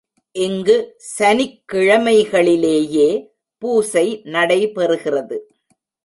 இங்கு சனிக்கிழமைகளிலேயே பூசை நடைபெறுகிறது.